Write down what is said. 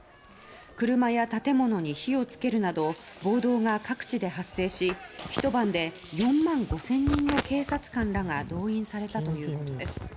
車や建物に火を付けるなど暴動が各地で発生しひと晩で４万５０００人の警察官らが動員されたということです。